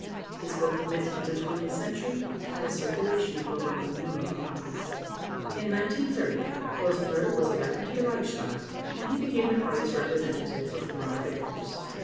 His book, Myth of the Twentieth Century, had a circulation of over a million copies. In 1930 Rosenberg was elected to the Reichstag and he became the Party's representative for Foreign Affairs.